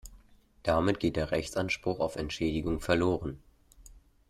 Damit geht der Rechtsanspruch auf Entschädigung verloren.